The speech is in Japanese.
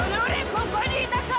ここにいたか！